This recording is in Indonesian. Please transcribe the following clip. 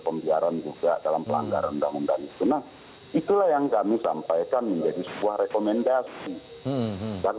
pertanyaan saya selanjutnya begini bang masinton